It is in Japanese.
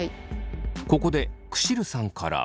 ここでクシルさんから。